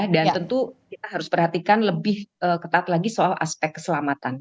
dan tentu kita harus perhatikan lebih ketat lagi soal aspek keselamatan